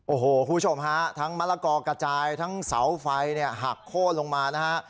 โอ้โหคุณผู้ชมฮะทั้งมะละกอกระจายทั้งเสาไฟเนี่ยหักโค้นลงมานะฮะ